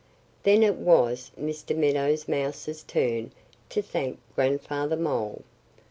Then it was Mr. Meadow Mouse's turn to thank Grandfather Mole.